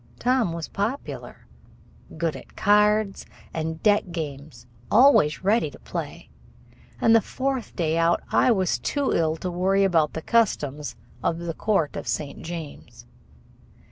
Tom was popular, good at cards and deck games, always ready to play. And the fourth day out I was too ill to worry about the customs at the Court of St. James.